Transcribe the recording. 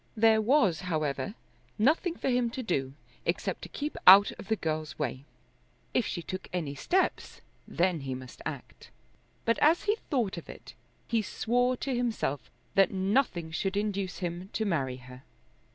There was, however, nothing for him to do except to keep out of the girl's way. If she took any steps, then he must act. But as he thought of it, he swore to himself that nothing should induce him to marry her.